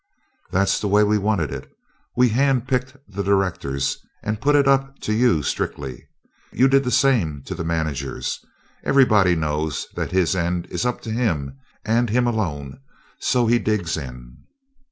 "That's the way we wanted it. We hand picked the directors, and put it up to you, strictly. You did the same to the managers. Everybody knows that his end is up to him, and him alone so he digs in."